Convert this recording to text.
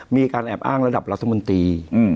มีการแอบอ้างระดับรัฐมนตรี